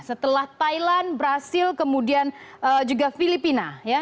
setelah thailand brazil kemudian juga filipina